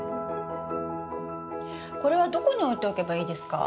これはどこに置いておけばいいですか？